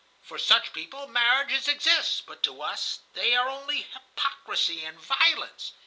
For such people marriages exist, but to us they are only hypocrisy and violence.